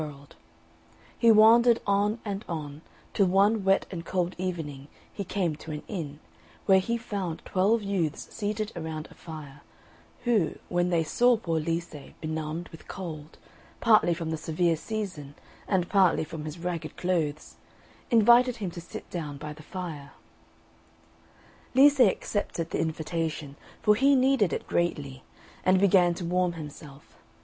And he wandered on and on, till one wet and cold evening he came to an inn, where he found twelve youths seated around a fire, who, when they saw poor Lise benumbed with cold, partly from the severe season and partly from his ragged clothes, invited him to sit down by the fire. Lise accepted the invitation, for he needed it greatly, and began to warm himself.